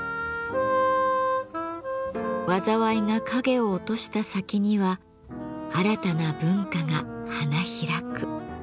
災いが影を落とした先には新たな文化が花開く。